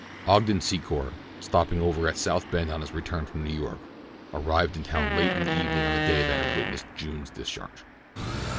Ogden Secor, stopping over at South Bend on his return from New York, arrived in town late in the evening of the day that had witnessed June's discharge.